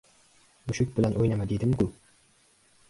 Mushuk bilan o‘ynama devdim- ku!